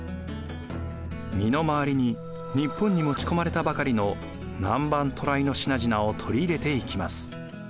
身の回りに日本に持ち込まれたばかりの南蛮渡来の品々を取り入れていきます。